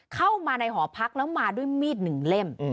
เข้ามาในหอพักแล้วมาด้วยมีดหนึ่งเล่ม